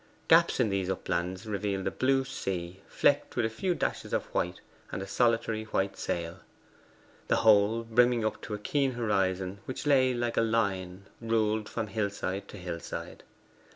Gaps in these uplands revealed the blue sea, flecked with a few dashes of white and a solitary white sail, the whole brimming up to a keen horizon which lay like a line ruled from hillside to hillside.